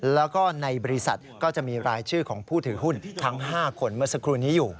แล้วก็ในบริษัทก็จะมีรายชื่อของผู้ถือหุ้นทั้ง๕คนเมื่อสักครู่นี้อยู่